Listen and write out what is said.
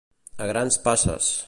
A grans passes.